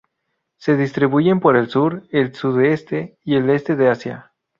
Se distribuyen por el sur, el sudeste y el este de Asia.